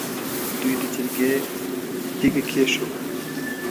دوی د جرګې تیګه کېښووه.